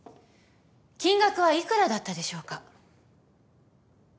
金額は幾らだったでしょうか？